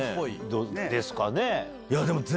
どうですかね？